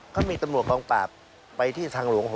เขามีตำรวจกองปราบไปที่ทางหลวง๖